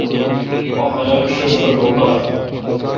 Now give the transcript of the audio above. اوں خلق ݭݭ رل اوکاں